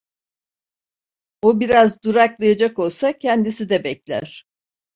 O biraz duraklayacak olsa kendisi de bekler.